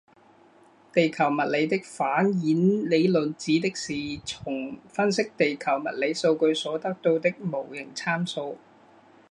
地球物理的反演理论指的是从分析地球物理数据所得到的模型参数。